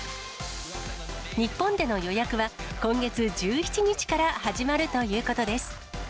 日本での予約は今月１７日から始まるということです。